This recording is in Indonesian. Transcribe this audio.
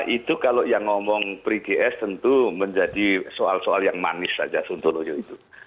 itu kalau yang ngomong prigs tentu menjadi soal soal yang manis saja sontoloyo itu